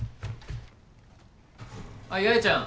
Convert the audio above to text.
あっ八重ちゃん。